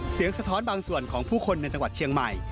สะท้อนบางส่วนของผู้คนในจังหวัดเชียงใหม่